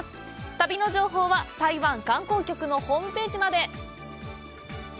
旅の情報は、台湾観光局のホームページまで。